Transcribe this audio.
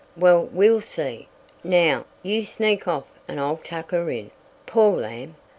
"Well, we'll see. Now, you sneak off and I'll tuck her in. Poor lamb!